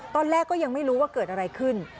ตอนแรกก็ยังไม่รู้ว่าเกิดอะไรขึ้น